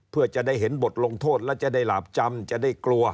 เพื่อจะได้เห็นบทลงโทษแล้วจะได้หลาบจำจะได้กลัว